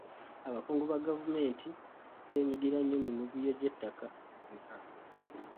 Abakungu ba gavumenti beenyigira nnyo mu mivuyo gy'ettaka.